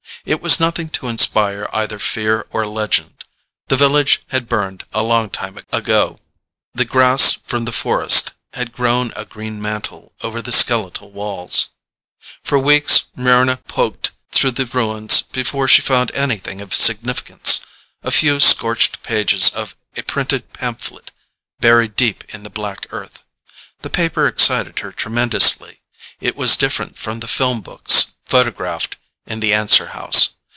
It was nothing to inspire either fear or legend. The village had burned a long time ago; the grass from the forest had grown a green mantle over the skeletal walls. For weeks Mryna poked through the ruins before she found anything of significance a few, scorched pages of a printed pamphlet buried deep in the black earth. The paper excited her tremendously. It was different from the film books photographed in the answer house.